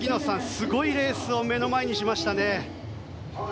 すごいレースを目の前にしましたね。